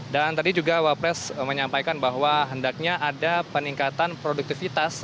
dan tadi juga wall press menyampaikan bahwa hendaknya ada peningkatan produktivitas